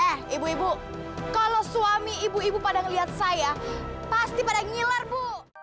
eh ibu ibu kalau suami ibu ibu pada ngelihat saya pasti pada ngiler bu